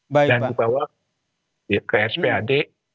dan dibawa ke spad